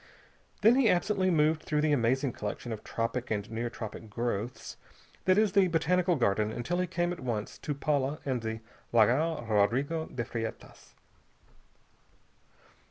Then he absently moved through the amazing collection of tropic and near tropic growths that is the Botanical Garden until he came at once to Paula and the Lagoa Rodrico de Freitas.